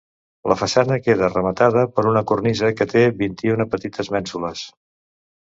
La façana queda rematada per una cornisa, que té vint-i-una petites mènsules.